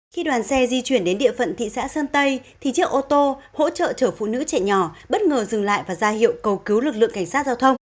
khi đoàn xe di chuyển đến địa phận thị xã sơn tây thì chiếc ô tô hỗ trợ chở phụ nữ trẻ nhỏ bất ngờ dừng lại và ra hiệu cầu cứu lực lượng cảnh sát giao thông